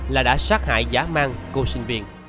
là đã sát hại giả mang cô sinh viên